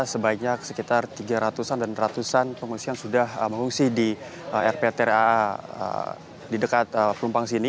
sebaiknya sekitar tiga ratus an dan seratus an pengungsian sudah mengungsi di rpta di dekat plumpang sini